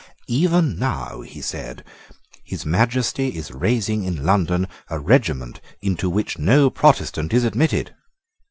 "Even now," he said, "His Majesty is raising in London a regiment into which no Protestant is admitted."